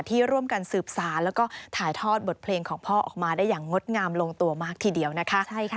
ที่ร่วมกันสืบสารแล้วก็ถ่ายทอดบทเพลงของพ่อออกมาได้อย่างงดงามลงตัวมากทีเดียวนะคะ